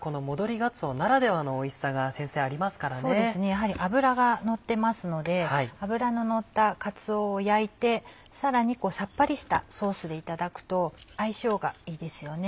やはり脂がのってますので脂ののったかつおを焼いてさらにさっぱりしたソースでいただくと相性がいいですよね。